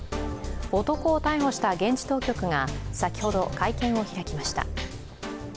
男を逮捕した現地当局が先ほど会見を開きました。